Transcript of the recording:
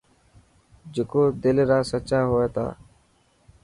جڪو دل را سچا هئني ٿا.